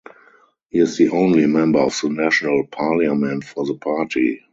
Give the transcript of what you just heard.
He is the only Member of the National Parliament for the Party.